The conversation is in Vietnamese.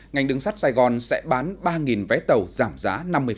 ngành đường sắt sài gòn sẽ bán ba vé tàu giảm giá năm mươi